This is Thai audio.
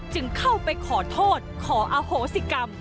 จึงเข้าไปขอโทษขออโหสิกรรม